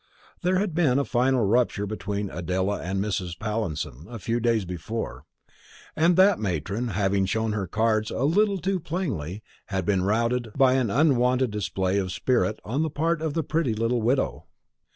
There had been a final rupture between Adela and Mrs. Pallinson a few days before, and that matron, having shown her cards a little too plainly, had been routed by an unwonted display of spirit on the part of the pretty little widow.